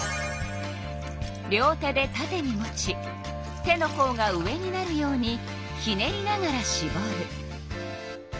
両手でたてに持ち手のこうが上になるようにひねりながらしぼる。